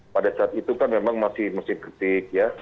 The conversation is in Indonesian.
pada saat itu kan memang masih mesin kritik ya